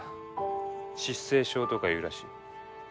失声症とかいうらしい。